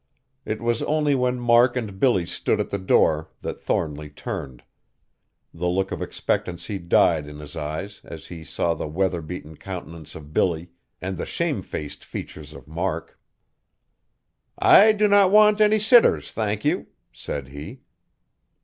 It was only when Mark and Billy stood at the door that Thornly turned. The look of expectancy died in his eyes as he saw the weather beaten countenance of Billy, and the shamefaced features of Mark. "I do not want any sitters, thank you," said he.